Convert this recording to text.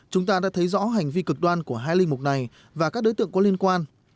chúng ta đã thấy rõ hành vi cực đoan của hai linh mục này và các đối tượng có liên quan